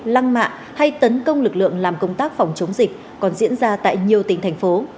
lăng mạ hay tấn công lực lượng làm công tác phòng chống dịch còn diễn ra tại nhiều tỉnh thành phố